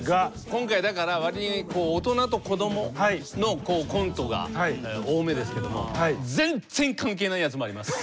今回だからわりにこう大人と子どものコントが多めですけども全然関係ないやつもあります。